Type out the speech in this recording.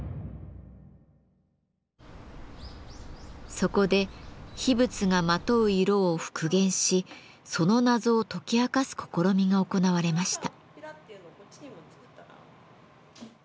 そこで秘仏がまとう色を復元しその謎を解き明かす試みが行われました。